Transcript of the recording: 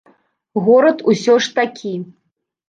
Горад усё ж такі.